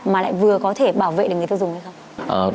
mà lại vừa có thể bảo vệ được người tiêu dùng hay không